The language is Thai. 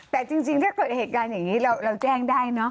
แต่จริงถ้าเกิดเหตุการณ์อย่างนี้เราแจ้งได้เนอะ